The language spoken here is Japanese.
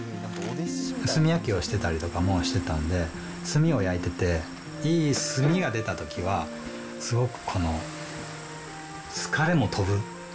炭焼きを焼いてたりもしてたんで、してたんで、炭を焼いてていい炭が出たときは、すごく、疲れも飛ぶ。